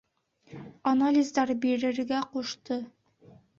Анализдар бирергә ҡушты.